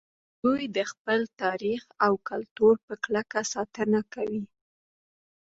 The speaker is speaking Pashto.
دوی د خپل تاریخ او کلتور په کلکه ساتنه کوي